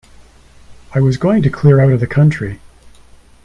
I was going to clear out of the country.